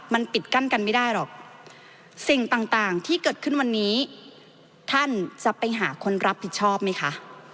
มันปิดกั้นกันไม่ได้หรอกสิ่งต่างที่เกิดขึ้นวันนี้ท่านจะไปหาคนรับผิดชอบไหมคะ